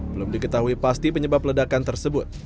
belum diketahui pasti penyebab ledakan tersebut